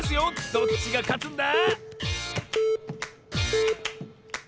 どっちがかつんだ？